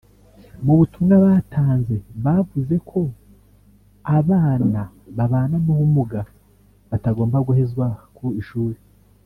mu butumwa batanze bavuze ko abana babana n’ubumuga batagomba guhezwa ku ishuri